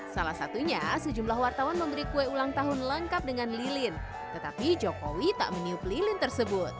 salah satunya sejumlah wartawan memberi kue ulang tahun lengkap dengan lilin tetapi jokowi tak meniup lilin tersebut